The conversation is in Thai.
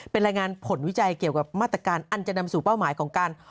เป็นรายงานผลวิจัยเกี่ยวกับมาตรการอันจะนำสู่เป้าหมายของการ